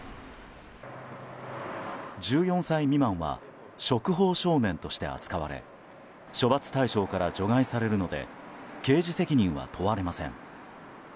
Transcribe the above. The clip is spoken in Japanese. １４歳未満は触法少年として扱われ処罰対象から除外されるので刑事責任は問われません。